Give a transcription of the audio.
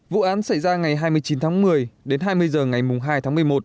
vụ án xảy ra ngày hai mươi chín tháng một mươi đến hai mươi h ngày hai tháng một mươi một